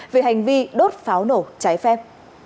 về hành vi đốt pháo nổ trái phép